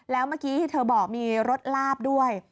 แล้วเมื่อกี้ที่เธอบอกมีรถลาบด้วย